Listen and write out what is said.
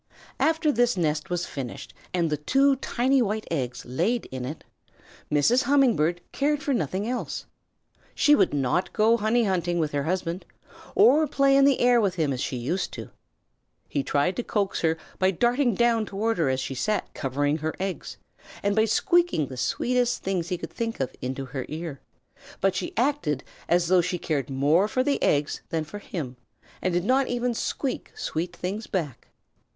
After this nest was finished and the two tiny white eggs laid in it, Mrs. Humming Bird cared for nothing else. She would not go honey hunting with her husband, or play in the air with him as she used to do. He tried to coax her by darting down toward her as she sat covering her eggs, and by squeaking the sweetest things he could think of into her ear, but she acted as though she cared more for the eggs than for him, and did not even squeak sweet things back.